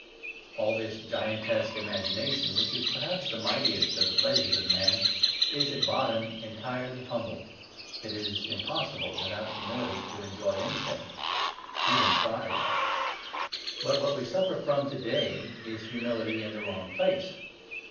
All this gigantesque imagination, which is, perhaps, the mightiest of the pleasures of man, is at bottom entirely humble. It is impossible without humility to enjoy anything even pride. But what we suffer from to day is humility in the wrong place.